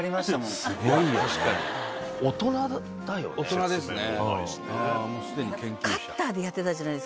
大人ですね。